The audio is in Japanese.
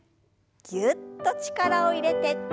ぎゅっと力を入れて。